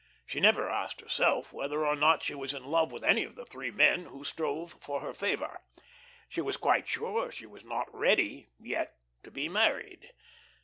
She never asked herself whether or not she was in love with any of the three men who strove for her favor. She was quite sure she was not ready yet to be married.